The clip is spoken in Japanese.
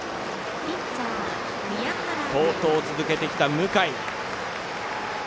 好投を続けてきた向井。